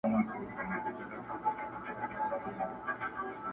o خر پر درې گامه ځيني خطا کېږي!